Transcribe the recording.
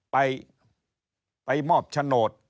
ไปมอบโฉนด